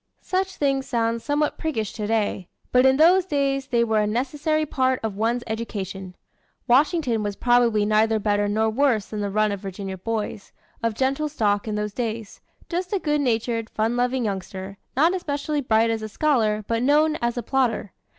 Such things sound somewhat priggish today; but in those days they were a necessary part of one's education. Washington was probably neither better nor worse than the run of Virginia boys, of gentle stock, in those days just a good natured, fun loving youngster, not especially bright as a scholar, but known as a plodder.